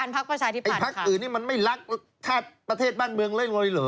พักอื่นนี่มันไม่รักท่าประเทศบ้านเมืองเลยเหรอ